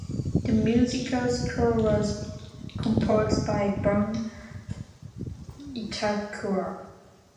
The musical score was composed by Bun Itakura.